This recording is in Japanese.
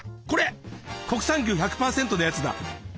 これ国産牛１００％のやつだ！